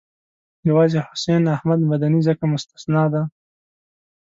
یوازې حسین احمد مدني ځکه مستثنی دی.